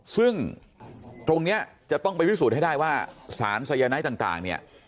ซึ่งตรงเนี้ยจะต้องไปวิสูจน์ให้ได้ว่าสารสายน้ำต่างต่างเนี้ย